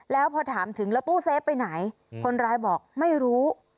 แล้วพอถามถึงแล้วตู้เซฟไปไหนคนร้ายบอกไม่รู้